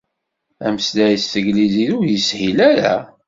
Ameslay s teglizit ur yeshil ara.